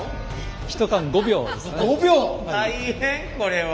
大変これは。